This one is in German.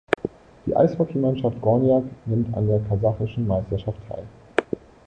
Die Eishockeymannschaft "Gornjak" nimmt an der Kasachischen Meisterschaft teil.